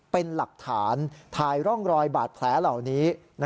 เป็นหลักฐานถ่ายร่องรอยบาดแผลเหล่านี้